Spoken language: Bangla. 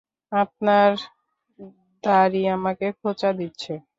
আপনার দাড়ি আমাকে খোঁচা দিচ্ছে।